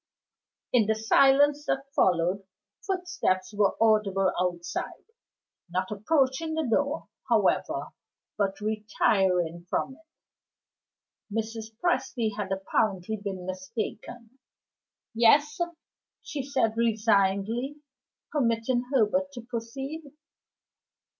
In the silence that followed, footsteps were audible outside not approaching the door, however, but retiring from it. Mrs. Presty had apparently been mistaken. "Yes?" she said resignedly, permitting Herbert to proceed.